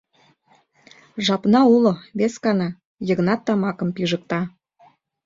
Жапна уло, вескана, — Йыгнат тамакым пижыкта.